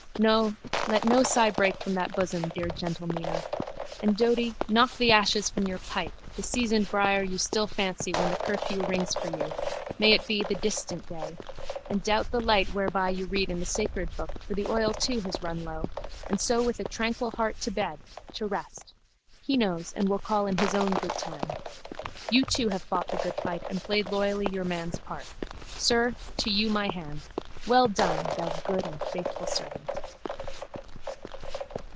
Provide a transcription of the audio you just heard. No, let no sigh break from that bosom, dear gentle Mina. And Doady, knock the ashes from your pipe, the seasoned briar you still fancy when the curfew rings for you (may it be the distant day!) and dout the light whereby you read in the Sacred Book for the oil too has run low, and so with a tranquil heart to bed, to rest. He knows and will call in His own good time. You too have fought the good fight and played loyally your man's part. Sir, to you my hand. Well done, thou good and faithful servant!